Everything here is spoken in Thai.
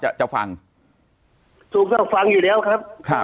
จะจะฟังถูกต้องฟังอยู่แล้วครับค่ะ